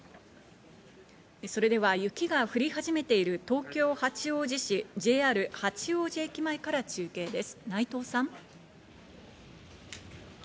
それでは雪が降り始めている東京・八王子市、ＪＲ八王子駅前から中継です、内藤さん。